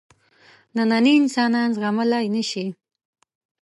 نننی انسان زغملای نه شي.